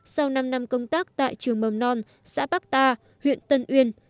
sau năm năm công tác tại trường mầm non xã bắc ta huyện tân uyên